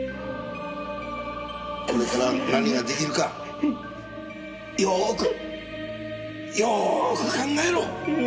これから何が出来るかよーくよーく考えろ。